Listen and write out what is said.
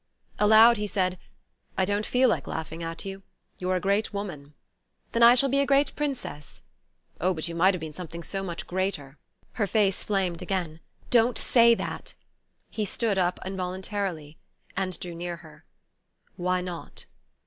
Aloud he said: "I don't feel like laughing at you. You're a great woman." "Then I shall be a great Princess." "Oh but you might have been something so much greater!" Her face flamed again. "Don't say that!" He stood up involuntarily, and drew near her. "Why not?"